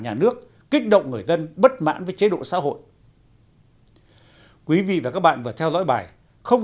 nhà nước kích động người dân bất mãn với chế độ xã hội quý vị và các bạn vừa theo dõi bài không